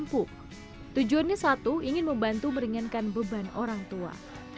tujuannya satu ingin membantu meringankan beban orang tua